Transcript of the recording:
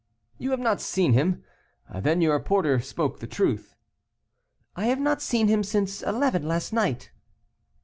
"You have not seen him? Then your porter spoke the truth." "I have not seen him since eleven last night."